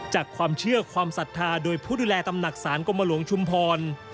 จากความเชื่อความศรัทธาโดยผู้ดูแลตำหนักศาลกรมหลวงชุมพร